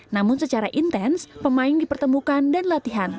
namun secara intens pemain dipertemukan dan latihan